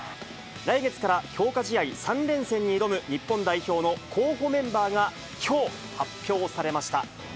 来月から強化試合３連戦に挑む日本代表の候補メンバーがきょう、発表されました。